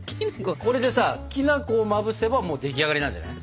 これでさきな粉をまぶせばもう出来上がりなんじゃない。